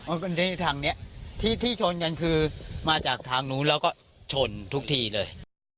กันที่ทางนี้ที่ชนกันคือมาจากทางนู้นแล้วก็ชนทุกทีเลย